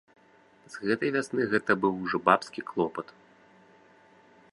З гэтай вясны гэта быў ужо бабскі клопат.